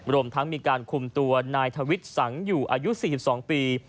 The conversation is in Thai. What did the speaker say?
รวมทั้งมีการคุมตัวนายทวิทย์สังอยู่อายุ๔๒ปี